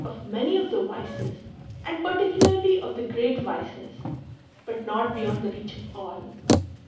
of many of the vices and. particularly of the great vices, but not beyond the reach of all.